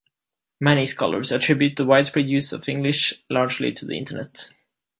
Many scholars attribute the widespread use of English largely to the internet.